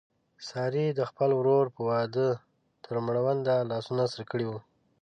سارې د خپل ورور په واده تر مړونده لاسونه سره کړي و.